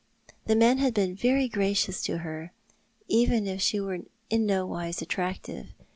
The men had been very gracious to her, even if she were in no wise attractive.